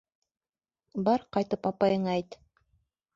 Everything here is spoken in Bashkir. Бар, ҡайтып апайыңа әйт.